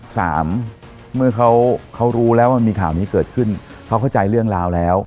สามเมื่อเขารู้แล้วว่ามีข่าวนี้เกิดขึ้นเขาเข้าใจเรื่องราวแล้ว